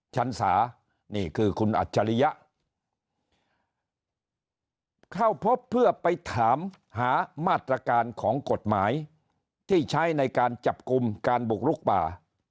ชันสานี่คือคุณอัจฉริยะเข้าพบเพื่อไปถามหามาตรการของกฎหมายที่ใช้ในการจับกลุ่มการบุกลุกป่า